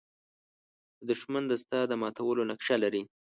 دښمن د ستا د ماتولو نقشه لري